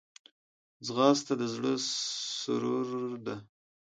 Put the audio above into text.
ځغاسته د زړه سرور ده